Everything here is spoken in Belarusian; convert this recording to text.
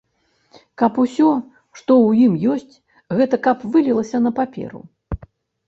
Каб усё, што ў ім ёсць, гэта каб вылілася на паперу.